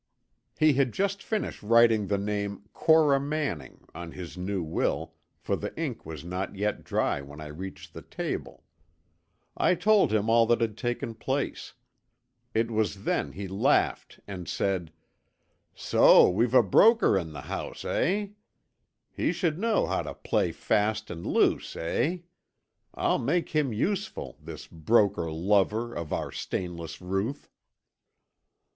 "He had just finished writing the name, Cora Manning, on his new will, for the ink was not yet dry when I reached the table. I told him all that had taken place. It was then he laughed and said: 'So we've a broker in the house, eh? He should know how to play fast and loose, eh? I'll make him useful, this broker lover of our stainless Ruth.'"